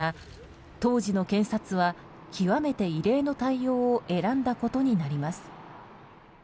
再捜査で３４人を起訴しましたが当時の検察は、極めて異例の対応を選んだことになります。